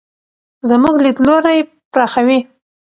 زموږ لیدلوری پراخوي.